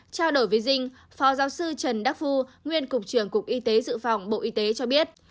trao đổi với dinh phó giáo sư trần đắc phu nguyên cục trưởng cục y tế dự phòng bộ y tế cho biết